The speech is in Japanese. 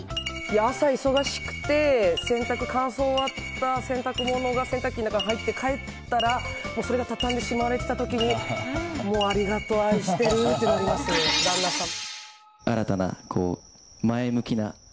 朝、忙しくて乾燥が終わった洗濯物が洗濯機の中に入ってて帰ったらそれが畳んでしまわれてた時にもう、ありがとう愛してるってなります、旦那さん。